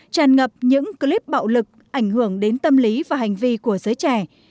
tràn ngập những clip bạo lực ảnh hưởng đến tâm lý và hành vi của giới trẻ